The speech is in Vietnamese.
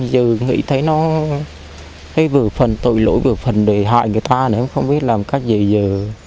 giờ nghĩ thấy nó thấy vừa phần tội lỗi vừa phần để hại người ta nên em không biết làm cách gì giờ